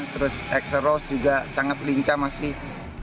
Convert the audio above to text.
terus exer rose juga sangat lincah masih